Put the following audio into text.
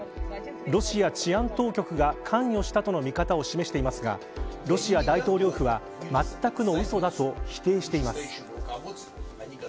ロシア治安当局が関与したとの見方を示していますがロシア大統領府はまったくのうそだと否定しています。